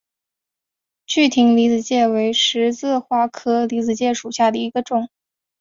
具葶离子芥为十字花科离子芥属下的一个种。